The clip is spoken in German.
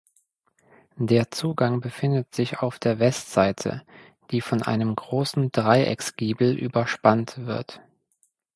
Der Zugang befindet sich auf der Westseite, die von einem großen Dreiecksgiebel überspannt wird.